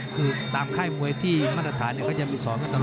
คือตามค่ายมวยที่มาตรฐานเขาจะมีสอนมาตลอด